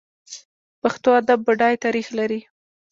پښتو ادب بډای تاریخ لري.